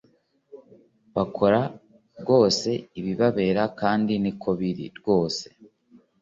Bakora rwose ibibabera kandi niko biri rwose